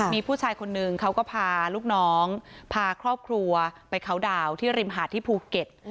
มีผู้ชายคนนึงเขาก็พาลูกน้องพาครอบครัวไปเขาดาวนที่ริมหาดที่ภูเก็ต